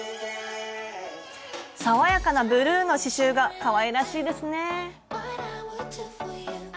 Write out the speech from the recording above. さわやかなブルーの刺しゅうがかわいらしいですね。